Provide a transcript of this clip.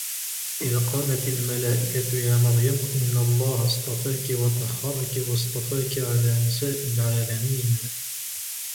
وإذ قالت الملائكة يا مريم إن الله اصطفاك وطهرك واصطفاك على نساء العالمين